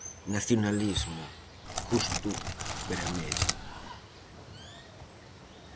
Nacionalismo, Justo Beramedi.